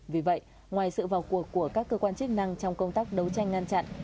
vì vậy ngoài sự vào cuộc của các cơ quan chức năng trong công tác đấu tranh ngăn chặn